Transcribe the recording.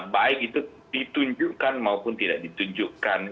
baik itu ditunjukkan maupun tidak ditunjukkan